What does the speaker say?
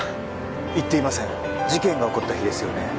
行っていません事件が起こった日ですよね？